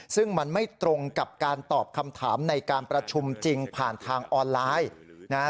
ซึ่งมันไม่ตรงกับการตอบคำถามในการประชุมจริงผ่านทางออนไลน์นะฮะ